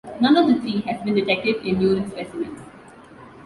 None of the three has been detected in urine specimens.